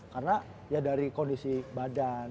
karena ya dari kondisi badannya